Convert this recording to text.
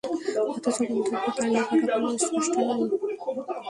অথচ গন্তব্য তার নিকট এখনো স্পষ্ট নয়, গন্তব্যস্থল অনির্ধারিত।